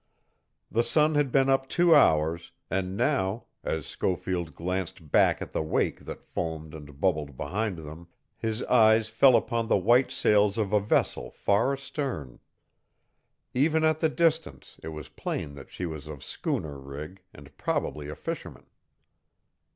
The sun had been up two hours, and now, as Schofield glanced back at the wake that foamed and bubbled behind them, his eyes fell upon the white sails of a vessel far astern. Even at the distance, it was plain that she was of schooner rig, and probably a fisherman.